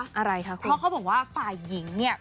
อะไรคะเพราะเขาบอกว่าฝ่ายหญิงเนี่ย